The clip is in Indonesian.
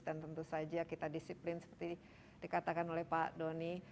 dan tentu saja kita disiplin seperti dikatakan oleh pak doni